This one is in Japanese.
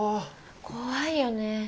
怖いよね。